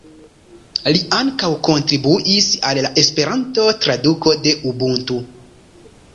Li ankaŭ kontribuis al la Esperanto-traduko de Ubuntu.